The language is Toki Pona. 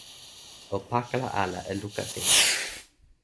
o pakala ala e luka sina.